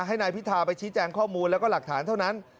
ให้นายพิธาไปชี้แจงข้อมูลแล้วก็หลักฐานเท่านั้น